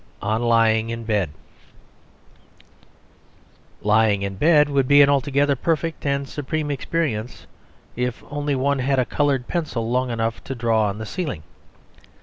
On Lying in Bed Lying in bed would be an altogether perfect and supreme experience if only one had a coloured pencil long enough to draw on the ceiling.